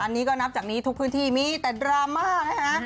อันนี้ก็นับจากนี้ทุกพื้นที่มีแต่ดราม่านะคะ